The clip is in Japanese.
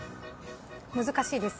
難しいですね。